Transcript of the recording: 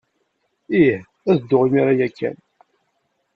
Ih. Ad dduɣ imir-a ya kan.